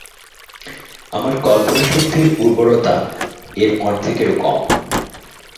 আমার কল্পনাশক্তির উর্বরতা এর অর্ধেকেরও কম।